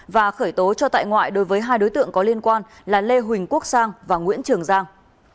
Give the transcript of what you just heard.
và khởi tố cho tại ngoại đối với hai đối tượng có liên quan là lê huỳnh quốc sang và nguyễn trường giang